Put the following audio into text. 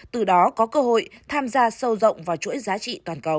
từ đó có cơ hội tham gia sâu rộng vào chuỗi giá trị toàn cầu